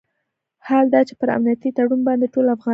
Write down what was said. حال دا چې پر امنیتي تړون باندې ټول افغانان موافق وو.